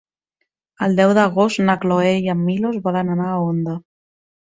El deu d'agost na Cloè i en Milos volen anar a Onda.